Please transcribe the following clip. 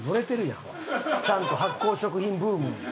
ちゃんと発酵食品ブームに。